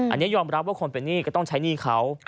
อันนี้ยอมรับว่าคนเป็นหนี้ก็ต้องใช้หนี้เขา